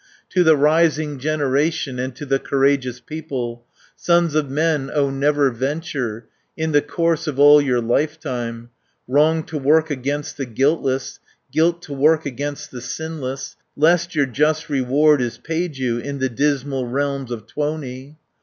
To the rising generation, And to the courageous people: 400 "Sons of men, O never venture In the course of all your lifetime, Wrong to work against the guiltless, Guilt to work against the sinless, Lest your just reward is paid you In the dismal realms of Tuoni!